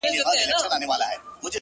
• چا د خپل بلال ږغ نه دی اورېدلی ,